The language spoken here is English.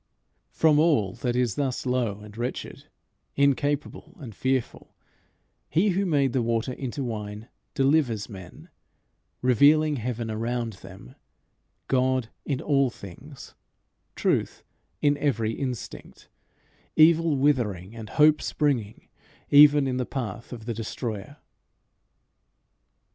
From all that is thus low and wretched, incapable and fearful, he who made the water into wine delivers men, revealing heaven around them, God in all things, truth in every instinct, evil withering and hope springing even in the path of the destroyer.